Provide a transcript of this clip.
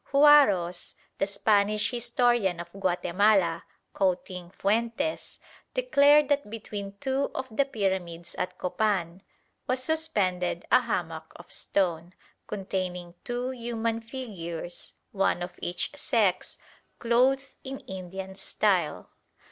Juarros, the Spanish historian of Guatemala, quoting Fuentes, declared that between two of the pyramids at Copan "was suspended a hammock of stone, containing two human figures, one of each sex, clothed in Indian style.